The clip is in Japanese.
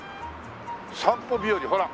「散歩日和」ほら！